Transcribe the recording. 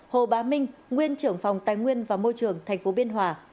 hồ bá minh nguyên trưởng phòng tài nguyên và môi trường tp biên hòa